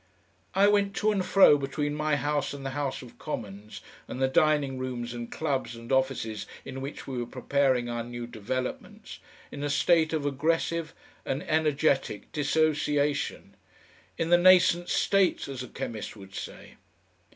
I went to and fro between my house and the House of Commons, and the dining rooms and clubs and offices in which we were preparing our new developments, in a state of aggressive and energetic dissociation, in the nascent state, as a chemist would say.